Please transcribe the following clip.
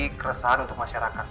jadi keresahan untuk masyarakat